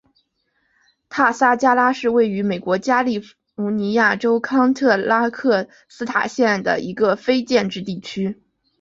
塔萨加拉是位于美国加利福尼亚州康特拉科斯塔县的一个非建制地区。